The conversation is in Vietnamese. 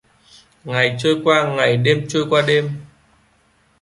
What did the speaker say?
Ngày trôi qua ngày đêm trôi qua đêm